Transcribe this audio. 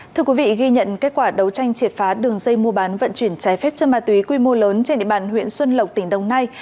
thưa quý vị ghi nhận kết quả đấu tranh triệt phá đường dây mua bán vận chuyển trái phép chân ma túy quy mô lớn trên địa bàn huyện xuân lộc tỉnh đồng nai